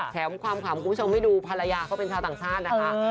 แถมความขำคุณผู้ชมให้ดูภรรยาเขาเป็นชาวต่างชาตินะคะ